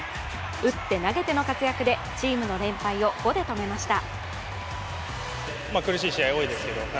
打って、投げての活躍でチームの連敗を５で止めました。